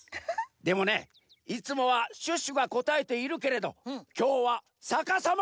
でもねいつもはシュッシュがこたえているけれどきょうはさかさま！